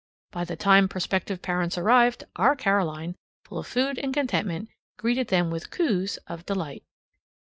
By the time prospective parents arrived, our Caroline, full of food and contentment, greeted them with cooes of delight.